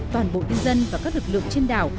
toàn bộ nhân dân và các lực lượng trên đảo